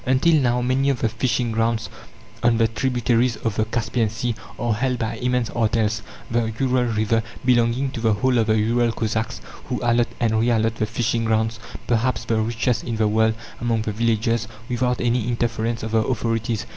Until now, many of the fishing grounds on the tributaries of the Caspian Sea are held by immense artels, the Ural river belonging to the whole of the Ural Cossacks, who allot and re allot the fishing grounds perhaps the richest in the world among the villages, without any interference of the authorities.